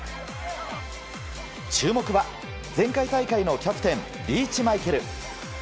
注目は、前回大会のキャプテン、リーチマイケル。